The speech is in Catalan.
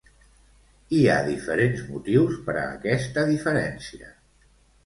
Hi ha diferents motius per a aquesta diferència.